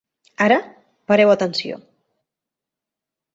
Ara, pareu atenció.